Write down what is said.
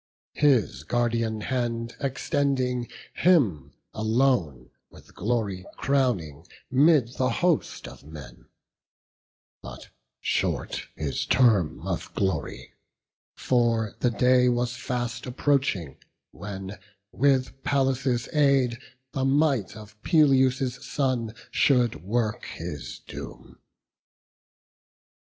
His guardian hand extending, him alone With glory crowning 'mid the host of men; But short his term of glory: for the day Was fast approaching, when, with Pallas' aid, The might of Peleus' son should work his doom.